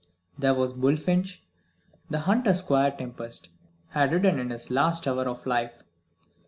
There was Bullfinch, the hunter Squire Tempest had ridden in his last hour of life.